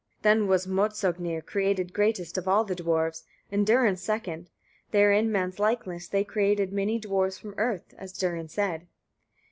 10. Then was Môtsognir created greatest of all the dwarfs, and Durin second; there in man's likeness they created many dwarfs from earth, as Durin said.